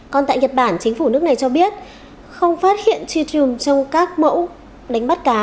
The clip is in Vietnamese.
còn tại nhật bản chính phủ nước này cho biết không phát hiện chi thường trong các mẫu đánh bắt cá